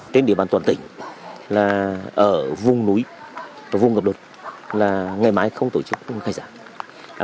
trên địa bàn toàn tỉnh là ở vùng núi vùng gặp đột là ngày mai không tổ chức khai giảng